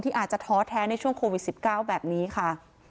อาจจะท้อแท้ในช่วงโควิด๑๙แบบนี้ค่ะ